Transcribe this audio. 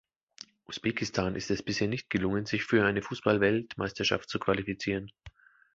Usbekistan ist es bisher nicht gelungen, sich für eine Fußball-Weltmeisterschaft zu qualifizieren.